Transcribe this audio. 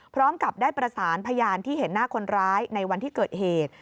พร้อมกับได้ประสานพยานที่เห็นหน้าคนร้ายในวันที่เกิดเหตุ